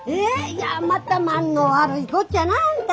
いやまた間の悪いこっちゃなああんた。